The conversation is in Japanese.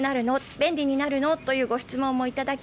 便利になるの？というご質問もいただき